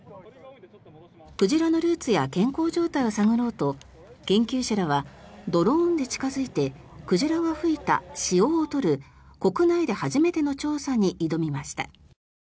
鯨のルーツや健康状態を探ろうと研究者らはドローンで近付いて鯨が吹いた潮を採る国内で初めての調査に挑みました。